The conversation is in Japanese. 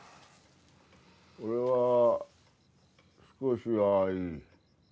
俺は少しはいい。